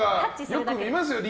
よく見ますよ。